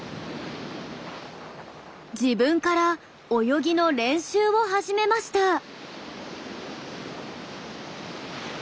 自分から泳ぎの練習を始めました。